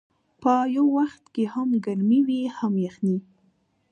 په یو وخت کې هم ګرمي وي هم یخني.